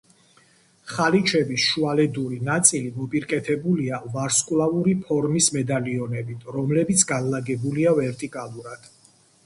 ხალიჩების შუალედური ნაწილი მოპირკეთებულია ვარსკვლავური ფორმის მედალიონებით, რომლებიც განლაგებულია ვერტიკალურად.